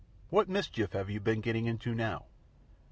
"What mischief have you been getting into now?"